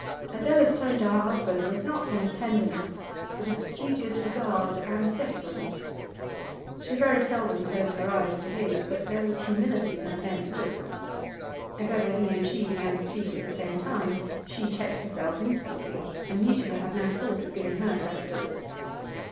Adela's tone to her husband was not one of tenderness, but of studious regard and deference. She very seldom turned her eyes to his, but there was humility in her bent look. If ever he and she began to speak at the same time, she checked herself instantly, and Mutimer had no thought of giving her precedence.